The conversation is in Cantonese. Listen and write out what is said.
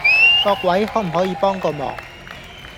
各位可唔可以幫個忙